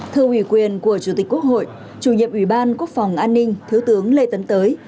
thư ủy quyền của chủ tịch quốc hội chủ nhiệm ủy ban quốc phòng an ninh thiếu tướng lê tấn tới